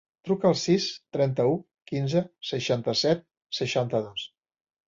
Truca al sis, trenta-u, quinze, seixanta-set, seixanta-dos.